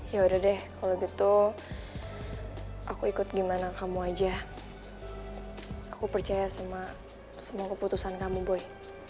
yaudah deh kalau gitu aku ikut gimana kamu aja aku percaya sama semua keputusan kamu boy